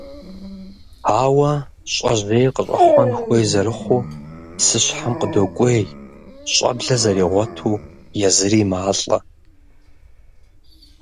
Ауэ щӀэжьей къыщӀэхъуэн хуей зэрыхъуу, псыщхьэм къыдокӀуей, щӀэблэ зэригъуэту езыри малӀэ.